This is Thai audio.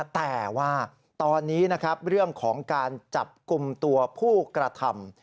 แต่ว่าตอนนี้นะครับเรื่องของการจับกลุ่มตัวผู้กระทำ